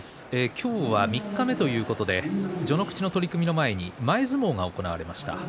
今日は三日目ということで序ノ口の取組の前に前相撲が行われました。